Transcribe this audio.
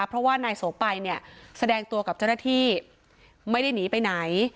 เพราะว่านายโสไปเนี่ยแสดงตัวกับเจ้าหน้าที่ไม่ได้หนีไปไหน